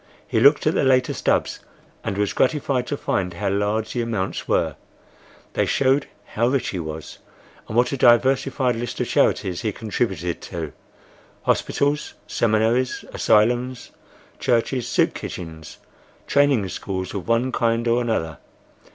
He looked at the later stubs and was gratified to find how large the amounts were,—they showed how rich he was,—and what a diversified list of charities he contributed to: hospitals, seminaries, asylums, churches, soup kitchens, training schools of one kind or another.